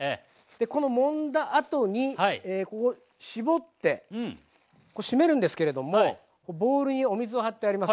このもんだあとにここ絞って締めるんですけれどもボウルにお水を張ってあります。